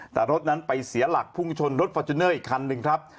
แต่รถนั้นไปเสียหลักพุ่งชนรถฟอร์จูเนอร์อีกคันหนึ่งครับ